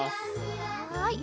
はい。